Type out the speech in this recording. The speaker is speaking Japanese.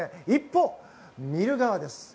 一方、見る側です。